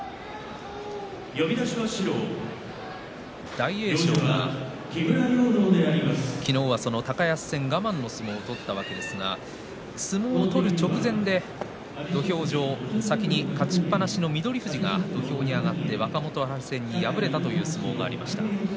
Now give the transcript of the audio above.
大栄翔は昨日高安戦、我慢の相撲を取ったわけですが相撲を取る直前で先に勝ちっぱなしの翠富士が若元春戦に敗れたという相撲がありました。